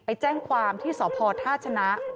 แจ้งความที่สพท่าชนะ